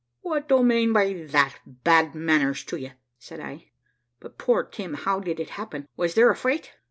`What do mane by that, bad manners to you?' said I; `but poor Tim how did it happen was there a fight?'